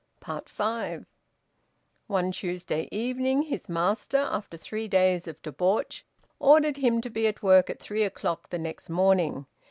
FIVE. One Tuesday evening his master, after three days of debauch, ordered him to be at work at three o'clock the next morning.